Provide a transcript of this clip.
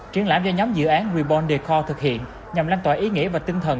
triển lãm do nhóm dự án reborn decor thực hiện nhằm lan tỏa ý nghĩa và tinh thần